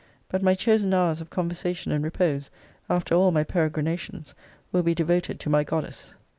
But my chosen hours of conversation and repose, after all my peregrinations, will be devoted to my goddess.